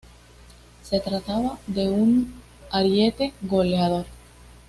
Se trataba de un ariete goleador.